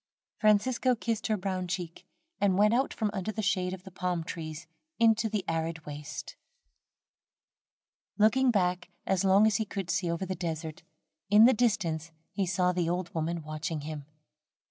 Francisco kissed her brown cheek, and went out from under the shade of the palm trees into the arid waste. Looking back, as long as he could see over the desert, in the distance he saw the old woman watching him.